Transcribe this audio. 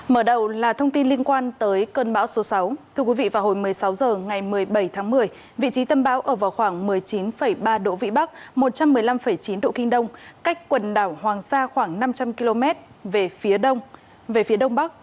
mở đầu là thông tin liên quan tới cơn bão số sáu